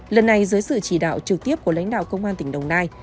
lần này dưới sự chỉ đạo trực tiếp của lãnh đạo công an tỉnh đồng nai